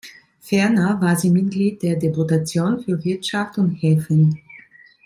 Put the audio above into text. Ferner war sie Mitglied der Deputation für Wirtschaft und Häfen.